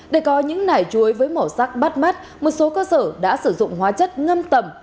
để có những nải chuối với màu sắc bắt mắt một số cơ sở đã sử dụng hóa chất ngâm tẩm